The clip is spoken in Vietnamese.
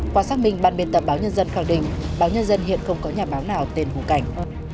qua xác minh ban biên tập báo nhân dân khẳng định báo nhân dân hiện không có nhà báo nào tên hù cảnh